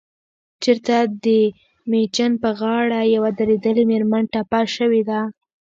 چرته دمیچن په غاړه يوه دردېدلې مېرمن ټپه شوې ده